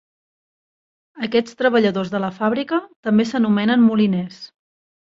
Aquests treballadors de la fàbrica també s'anomenen moliners.